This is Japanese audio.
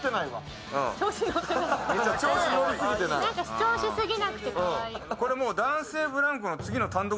主張しすぎなくてかわいい。